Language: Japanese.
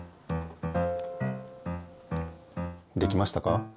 できましたか？